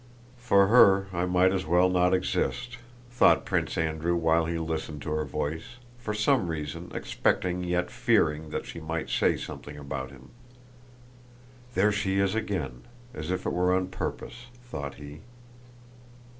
"For her I might as well not exist!" thought Prince Andrew while he listened to her voice, for some reason expecting yet fearing that she might say something about him. "There she is again! As if it were on purpose," thought he.